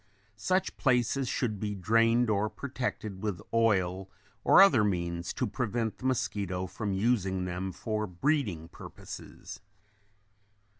Such places should be drained or protected with oil or other means to prevent the mosquito from using them for breeding purposes.